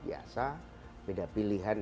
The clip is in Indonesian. biasa beda pilihan